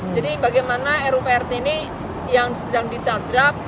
jadi bagaimana ru prt ini yang sedang ditadrap